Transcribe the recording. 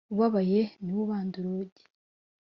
Ubabaye niwe ubanda urugi.